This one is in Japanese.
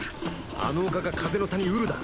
あの丘が風の谷ウルだ。